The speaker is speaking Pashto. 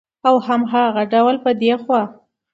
او هماغه ډول به د پخوا